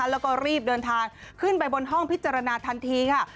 แล้วก็รีบเดินทางขึ้นไปบนห้องพิจารณาทันทีค่ะ